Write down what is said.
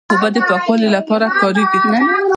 اوبه د پاکوالي لپاره کارېږي.